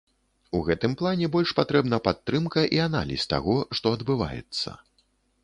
У гэтым плане больш патрэбна падтрымка і аналіз таго, што адбываецца.